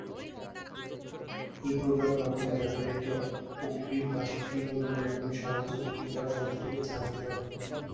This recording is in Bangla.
এই প্রোগ্রামের মাধ্যমে, যাত্রীরা একটি অগ্রিম বার্ষিক ফি প্রদানের মাধ্যমে সারা বছর বুকিং করা সমস্ত টিকিটে ছাড় নিতে পারবেন।